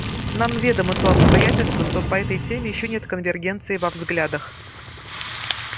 Нам ведомо то обстоятельство, что по этой теме еще нет конвергенции во взглядах.